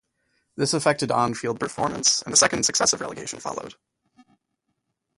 This affected on-field performance and a second successive relegation followed.